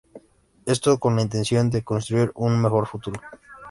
Esto con la intención de construir un mejor futuro.